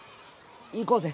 いこうぜ。